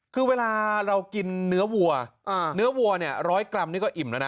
คือเวลาเรากินเนื้อวัวเนื้อวัวเนี่ยร้อยกรัมนี่ก็อิ่มแล้วนะ